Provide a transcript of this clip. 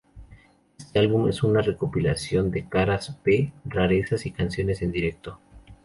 Éste álbum es una recopilación de caras b, rarezas y canciones en directo.